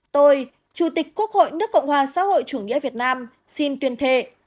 tôi chủ tịch quốc hội nước cộng hòa xã hội chủ nghĩa việt nam xin tuyên thệ